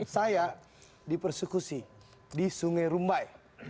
saya di persekusi di sungai rumbai